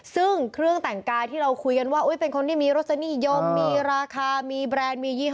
ซึ่งเครื่องแต่งกายที่เราคุยกันว่าเป็นคนที่มีรสนิยมมีราคามีแบรนด์มียี่ห